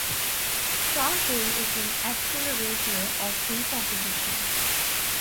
Charcoal is an accelerator of decomposition.